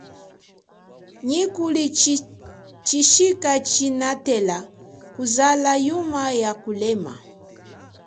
Nyi kuli chishika chinatela kuzala yuma ya kulema.